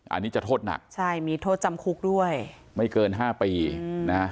อันนี้จะโทษหนักใช่มีโทษจำคุกด้วยไม่เกินห้าปีนะฮะ